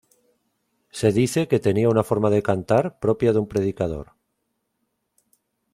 Se dice que tenía una forma de cantar propia de un predicador.